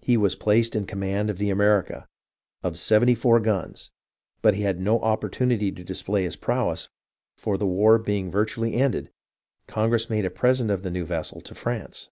He was placed in command of the America, of seventy four guns, but he had no opportunity to display his prowess, for the war being virtually ended. Congress made a present of the new vessel to France.